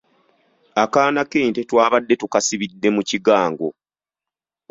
Akaana k’ente twabadde tukasibidde mu kigango.